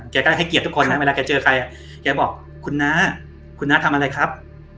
แกก็ให้เกียรติทุกคนนะเวลาแกเจอใครแกบอกคุณน้าคุณน้าทำอะไรครับ